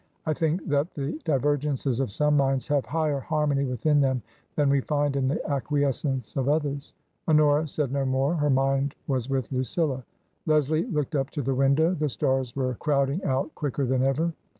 I think that the divergences of some minds have higher harmony within them than we find in the acquiescence of others." Honora said no more. Her mind was with Lucilla. Leslie looked up to the window. The stars were crowd ing out quicker than ever.